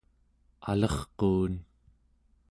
alerquun